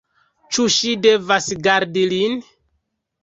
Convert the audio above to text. Ĉu ŝi devas gardi lin?